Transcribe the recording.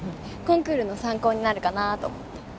コンクールの参考になるかなと思って。